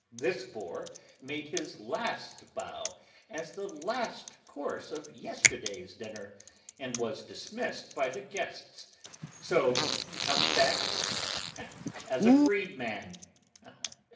This boar made his first bow as the last course of yesterday's dinner and was dismissed by the guests, so today he comes back as a freedman!"